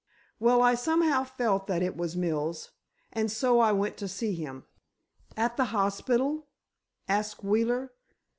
Well, I somehow felt that it was Mills—and so I went to see him." "At the hospital?" asked Wheeler.